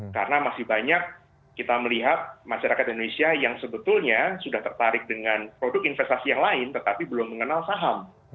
karena masih banyak kita melihat masyarakat indonesia yang sebetulnya sudah tertarik dengan produk investasi yang lain tetapi belum mengenal saham